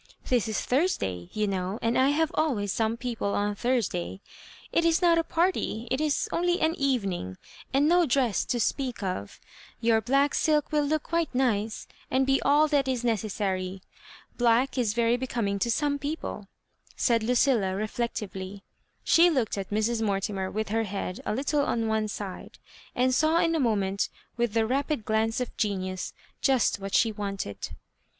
This is Thursday, you know, and I have always some people on Thursday. It is not a party — it is only an Evening — and no dress to speak of. Your black silk will look quite nice, and be all that is neces sary. Black is very becoming to some people," said Lucilla, reflectively. She looked at Mrs. Mortimer with her head a little on one side, and saw in a moment, with the rapid glance of genius, just what she wanted.